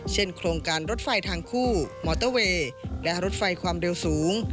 โครงการรถไฟทางคู่มอเตอร์เวย์และรถไฟความเร็วสูง